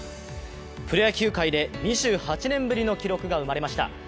プロ野球界で２８年ぶりの記録が生まれました。